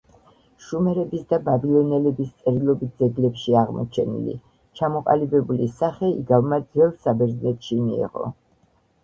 შუმერების და ბაბილონელების წერილობით ძეგლებშია აღმოჩენილი ჩამოყალიბებული სახე იგავმა ძველ საბერძნეთში მიიღო